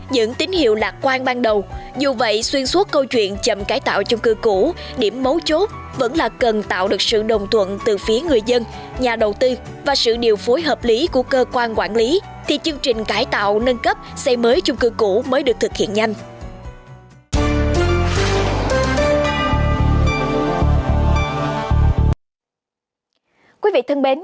những tín hiệu lạc quan ban đầu dù vậy xuyên suốt câu chuyện chậm cài tạo chung cư cũ điểm mấu chốt vẫn là cần tạo được sự đồng thuận từ phía người dân nhà đầu tư và sự điều phối hợp lý của cơ quan quản lý thì chương trình cài tạo nâng cấp xây mới chung cư cũ mới được thực hiện nhanh